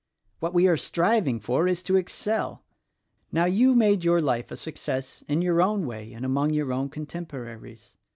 What we are striving for is to excel. Now, you made your life a success in your own way and among your own contemporaries.